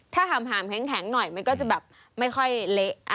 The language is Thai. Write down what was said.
ถ้าหามแข็งหน่อยมันก็จะแบบไม่ค่อยเละ